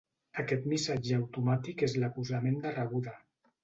Aquest missatge automàtic és l'acusament de rebuda.